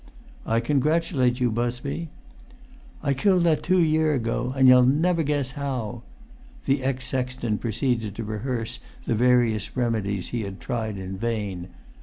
"I congratulate you, Busby." "I killed that two year ago; and you'll never guess how!" The ex sexton proceeded to rehearse the various remedies he had tried in vain.